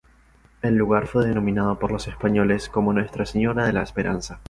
El lugar fue denominado por los españoles como Nuestra Señora de la Esperanza.